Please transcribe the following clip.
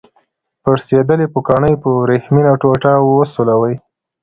پړسیدلې پوکڼۍ په وریښمینه ټوټه وسولوئ.